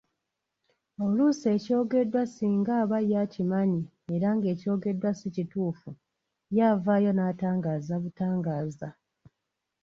Oluusi ekyogeddwa singa aba ye akimanyi era ng’ekyogeddwa si kituufu, ye avaayo n’atangaaza butangaaza.